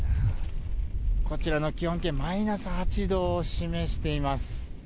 こちらの気温計マイナス８度を示しています。